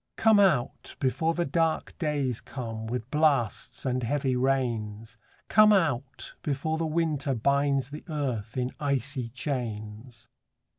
Come out, before the dark days come, With blasts and heavy rains : Come out, before the winter binds The earth in icy chains.